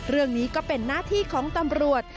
เรื่องนี้ก็เป็นหน้าที่ของตำรวจ